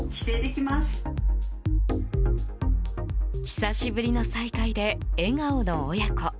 久しぶりの再会で笑顔の親子。